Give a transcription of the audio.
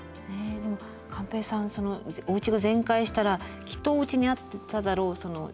でも寛平さんおうちが全壊したらきっとおうちにあっただろう